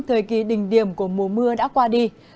thời kỳ đỉnh điểm của mùa mưa đã qua đi